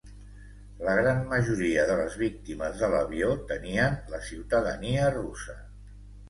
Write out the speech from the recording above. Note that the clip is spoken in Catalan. La gran majoria de les víctimes de l’avió tenien la ciutadania russa.